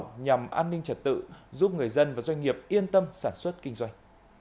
các doanh nghiệp đang làm an ninh trật tự giúp người dân và doanh nghiệp yên tâm sản xuất kinh doanh